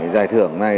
giải thưởng này